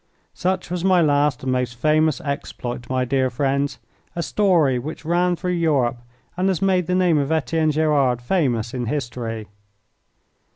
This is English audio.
Such was my last and most famous exploit, my dear friends, a story which rang through Europe and has made the name of Etienne Gerard famous in history.